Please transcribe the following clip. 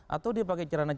atau dia pakai celana ngatung